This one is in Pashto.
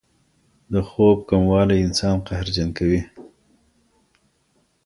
د خوب کموالی انسان قهرجن کوي.